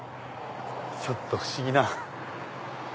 ちょっと不思議な。